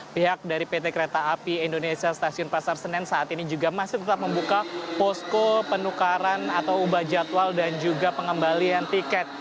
pihak dari pt kereta api indonesia stasiun pasar senen saat ini juga masih tetap membuka posko penukaran atau ubah jadwal dan juga pengembalian tiket